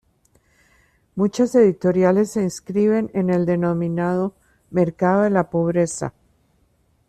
Muchas editoriales se inscriben en el denominado "mercado de la pobreza".